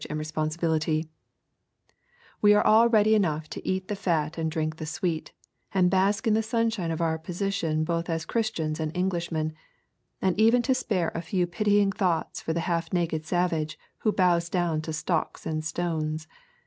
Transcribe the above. and resiKiiifiibility, We are all ready enough to eat the fat and driiik the sweety and bask in the sunshine of our position both as Christians and Englishmen, — and even to spare a few pitying thoughts for the half naked savage who bows down to stocks and stones.